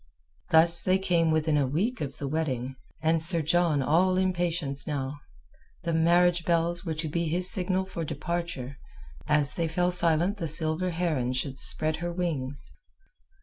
Thus they came within a week of the wedding, and Sir John all impatience now. The marriage bells were to be his signal for departure; as they fell silent the Silver Heron should spread her wings.